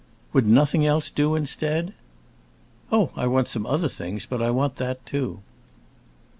"Would nothing else do, instead?" "Oh, I want some other things, but I want that too."